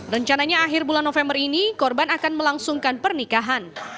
rencananya akhir bulan november ini korban akan melangsungkan pernikahan